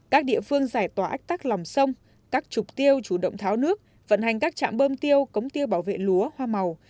các địa phương giải tỏa ách tắc lòng sông các trục tiêu chủ động tháo nước vận hành các trạm bơm tiêu cống tiêu bảo vệ lúa hoa màu